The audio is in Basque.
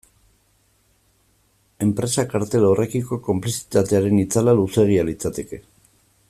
Enpresa kartel horrekiko konplizitatearen itzala luzeegia litzateke.